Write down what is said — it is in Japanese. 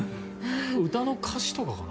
歌の歌詞とかかな？